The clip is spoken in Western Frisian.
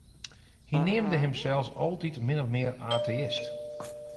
Hy neamde himsels altyd min of mear ateïst.